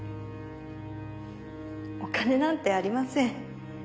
お金なんてありません。